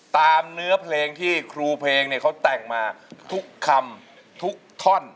ตามเนื้อเพลงที่ครูเพลงเนี่ยเขาแต่งมาทุกคำทุกท่อน